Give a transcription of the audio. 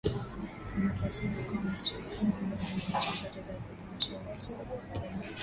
Demokrasia ya Kongo inashirikiana mipaka na nchi zote za Afrika Mashariki isipokuwa Kenya